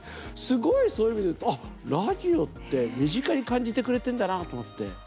すごい、そういう意味で言うとあ、ラジオって身近に感じてくれてるんだなと思って。